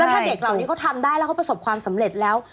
ถ้าเด็กเหล่านี้เขาทำได้แล้วเขาประสบความสำเร็จแล้ว